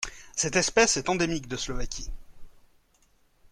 Cette espèce est endémique de Slovaquie.